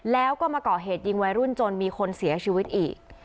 แล้วก็มาก่อเหตุยิงวัยรุ่นจนมีคนเสียชีวิตอีก